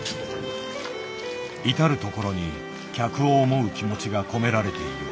至る所に客を思う気持ちが込められている。